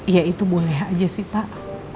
ya itu boleh saja pak